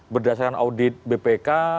berdasarkan audit bpk